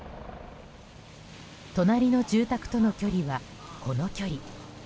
隣の住宅との距離はこの距離。